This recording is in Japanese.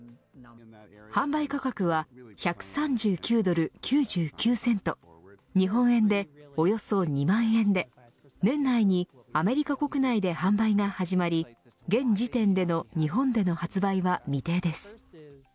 販売価格は１３９ドル９９セント日本円でおよそ２万円で年内にアメリカ国内で販売が始まり現時点の日本での発売は未定です。